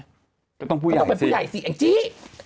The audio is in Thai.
ก็ต้องเป็นผู้ใหญ่สิแองจี้